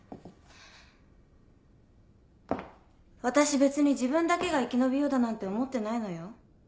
私別に自分だけが生き延びようだなんて思ってないのよ。